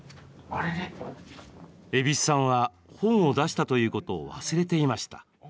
蛭子さんは本を出したということを忘れていました。